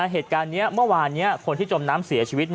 เหตุการณ์นี้เมื่อวานนี้คนที่จมน้ำเสียชีวิต